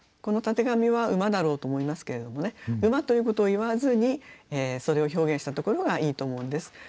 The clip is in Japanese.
この「たてがみ」は馬だろうと思いますけれどもね馬ということを言わずにそれを表現したところがいいと思うんです。